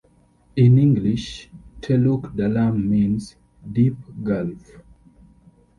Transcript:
In English, "Teluk Dalam" means "Deep Gulf".